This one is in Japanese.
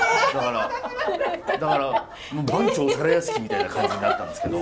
だから「番町皿屋敷」みたいな感じになったんですけど。